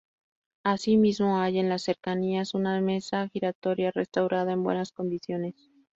Asimismo hay en las cercanías una mesa giratoria restaurada en buenas condiciones.